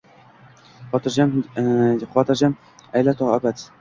Xotirim jam ayla to abad